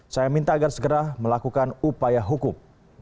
saya minta agar segera melakukan upaya hukum